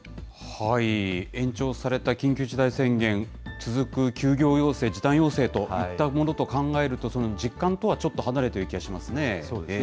延長された緊急事態宣言、続く休業要請、時短要請といったものと考えると、実感とはちょっと離れているような気がしますね。